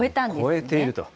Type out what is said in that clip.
超えていると。